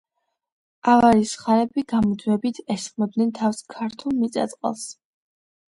ავარიის ხანები გამუდმებით ესხმოდნენ თავს ქართულ მიწა-წყალს.